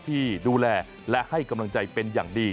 ที่ดูแลและให้กำลังใจเป็นอย่างดี